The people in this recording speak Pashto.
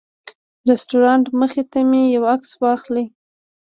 د رسټورانټ مخې ته مې یو عکس واخلي.